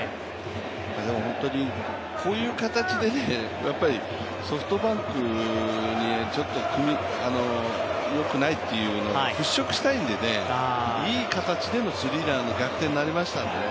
でも本当にこういう形でソフトバンクにちょっとよくないというのをふっしょくしたいんでねいい形でのスリーランでの逆転になりましたのでね。